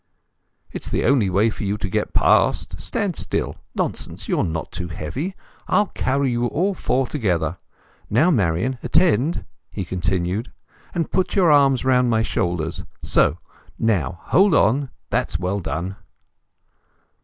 "It is the only way for you to get past. Stand still. Nonsense—you are not too heavy! I'd carry you all four together. Now, Marian, attend," he continued, "and put your arms round my shoulders, so. Now! Hold on. That's well done."